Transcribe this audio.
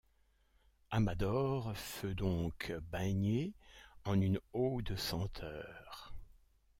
Amador feut doncques baingné en une eaue de senteur.